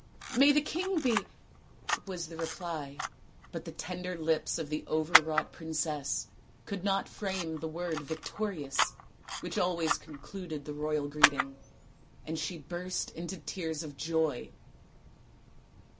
" May the king be ," was the reply, but the tender lips of the overwrought princess could not frame the word " victorious," which always concluded the royal greeting, and she burst into tears of joy.